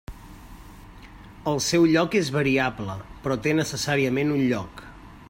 El seu lloc és variable, però té necessàriament un lloc.